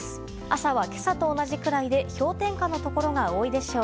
朝は今朝と同じくらいで氷点下のところが多いでしょう。